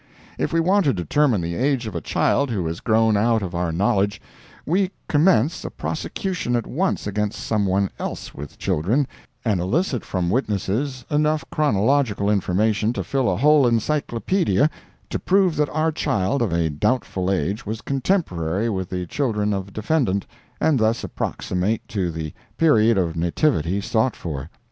If we want to determine the age of a child who has grown out of our knowledge, we commence a prosecution at once against someone else with children, and elicit from witnesses enough chronological information to fill a whole encyclopedia, to prove that our child of a doubtful age was contemporary with the children of defendant, and thus approximate to the period of nativity sought for.